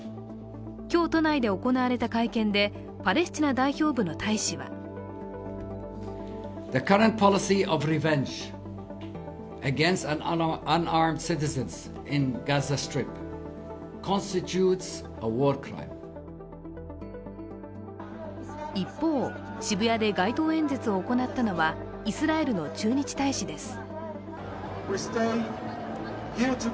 今日、都内で行われた会見でパレスチナ代表部の大使は一方、渋谷で街頭演説を行ったのはイスラエルの駐日大使です。